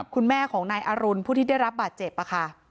คุณแม่ของนายอรุณผู้ที่ได้รับบาดเจ็บค่ะ